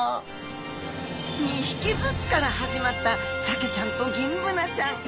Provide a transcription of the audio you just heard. ２匹ずつから始まったサケちゃんとギンブナちゃん。